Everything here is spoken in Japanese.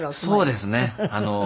そうですね。